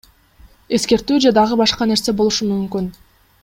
Эскертүү же дагы башка нерсе болушу мүмкүн.